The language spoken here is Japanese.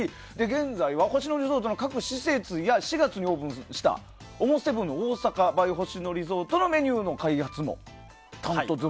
現在は星野リゾートの各施設や４月にオープンしたＯＭＯ７大阪ｂｙ星野リゾートのメニューの開発も担当と。